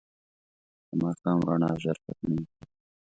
د ماښام رڼا ژر ختمېږي